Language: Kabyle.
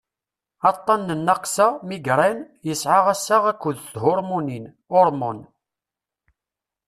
aṭṭan n nnaqsa migraine yesɛa assaɣ akked thurmunin hormones